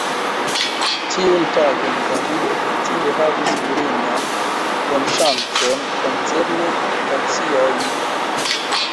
Tiun tagon Davido efektive havis mirindan bonŝancon koncerne taksiojn.